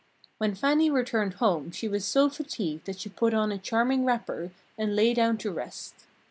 When Fannie returned home she was so fatigued that she put on a charming wrapper, and lay down to rest.